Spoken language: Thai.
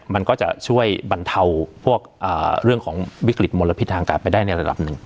มันก็จะช่วยบรรเทาพวกเรื่องของวิกฤตมลพิษทางการไปได้ในระดับหนึ่ง